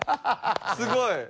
すごい。